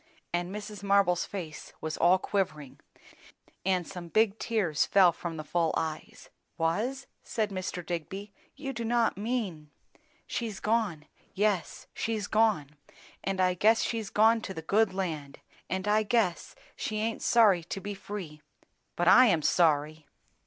And Mrs. Marble's face was all quivering, and some big tears fell from the full eyes. "Was?" said Mr. Digby. "You do not mean " "She's gone. Yes, she's gone. And I guess she's gone to the good land; and I guess she aint sorry to be free; but I'm sorry!"